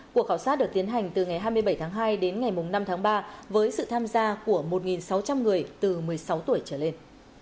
cuộc khảo sát được tiến hành từ ngày hai mươi bảy tháng hai đến ngày năm tháng ba với sự tham gia của một sáu trăm linh người từ một mươi sáu tuổi trở lên